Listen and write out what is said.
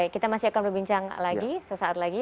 kita masih akan berbincang lagi